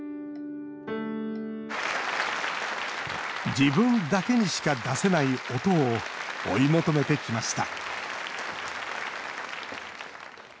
自分だけにしか出せない音を追い求めてきました